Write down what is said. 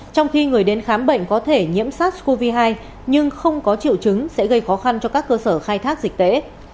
trong khi người đến khám bệnh có thể nhiễm sars cov hai nhưng không có triệu chứng sẽ gây khó khăn cho các cơ sở khai thác dịch tễ